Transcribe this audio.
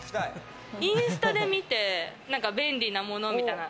インスタで見て便利なものみたいな。